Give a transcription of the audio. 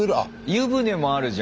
湯船もあるじゃん。